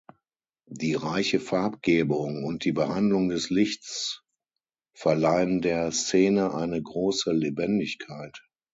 Die reiche Farbgebung und die Behandlung des Lichts verleihen der Szene eine große Lebendigkeit.